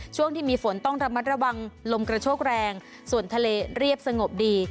ช่วงที่มีฝนต้องระมัดระวังลมกระโชกแรงส่วนทะเลเรียบสงบดี